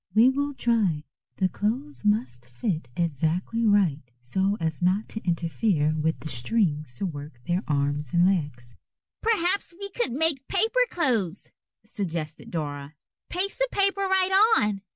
We will try. The clothes must fit exactly right so as not to interfere with the strings to work their arms and legs." "Perhaps we could make paper clothes," suggested Dora; "paste the paper right on."